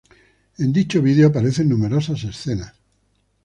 En dicho video aparecen numerosas escenas.